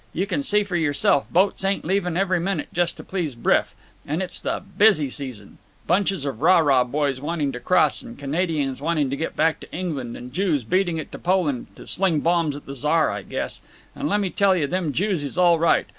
You can see for yourself; boats ain't leaving every minute just to please Bryff. And it's the busy season. Bunches of rah rah boys wanting to cross, and Canadians wanting to get back to England, and Jews beating it to Poland—to sling bombs at the Czar, I guess. And lemme tell you, them Jews is all right.